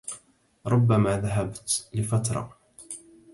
ربما ذهبت لفتره